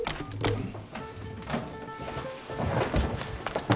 うん？